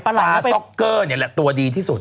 ตาซ็อกเกอร์นี่แหละตัวดีที่สุด